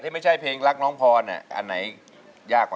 อย่างที่ผมบอกไปนะฮะ